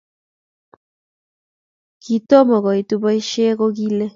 Kitomo koitu boisie kokile